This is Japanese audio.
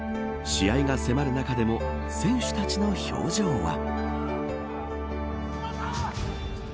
試合が迫る中でも選手たちの表情は。